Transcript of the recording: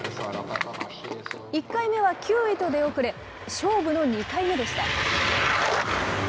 １回目は９位と出遅れ、勝負の２回目でした。